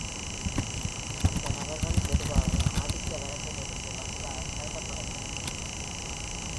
அந்த நபர்கள் பொதுவாக ஆதிக்கவரம்பிலிருந்து வந்ததாகக் கருதப்படுகிறார்கள்.